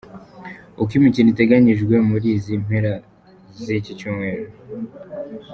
Uko imikino iteganyijwe muri izi mpera z’icyumweru:.